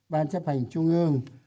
ban chấp hành trung ương